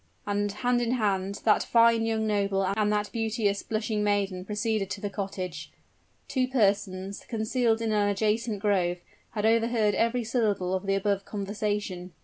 And, hand in hand, that fine young noble and that beauteous, blushing maiden proceeded to the cottage. Two persons, concealed in an adjacent grove, had overheard every syllable of the above conversation.